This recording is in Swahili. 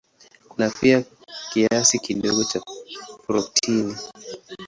Kuna pia kiasi kidogo cha protini.